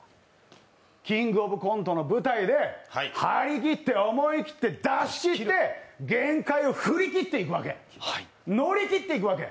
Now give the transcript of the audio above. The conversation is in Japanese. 「キングオブコント」の舞台で張り切って思い切って出し切って限界を振り切っていくわけ、乗り切っていくわけ。